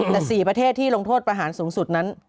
แต่๔ประเทศที่ลงโทษประหารสูงสุดนั้น